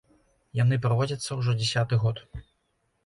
Яны праводзяцца ўжо дзясяты год.